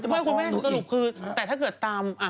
ไม่คุณไม่ได้สรุปคือแต่ถ้าเกิดตาม